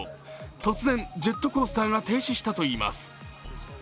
突然、ジェットコースターが停止したといいます。